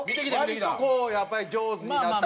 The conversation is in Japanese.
割とこうやっぱり上手になった。